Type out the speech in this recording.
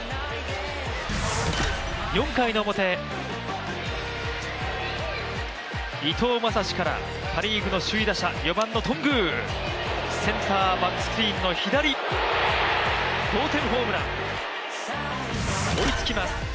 ４回の表、伊藤将司からパ・リーグの首位打者４番の頓宮、センター、バックスクリーンの左同点ホームラン追いつきます。